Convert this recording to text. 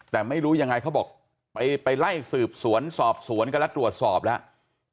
แต่ไม่รู้ยังไงเขาบอกไปไล่สืบสวนสอบสวนกันแล้วตรวจสอบแล้ว